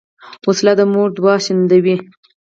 وسله د مور دعا شنډوي